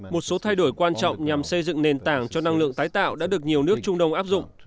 một số thay đổi quan trọng nhằm xây dựng nền tảng cho năng lượng tái tạo đã được nhiều nước trung đông áp dụng